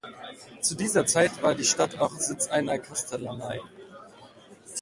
Zu dieser Zeit war die Stadt auch Sitz einer Kastellanei.